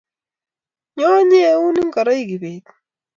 Nyoo, nyiun ngoroik kibet